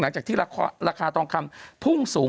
หลังจากที่ราคาทองคำพุ่งสูง